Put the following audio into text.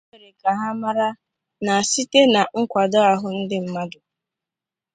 O mere ka a mara na site na nkwàdo ahụ ndị mmadụ